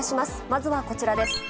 まずはこちらです。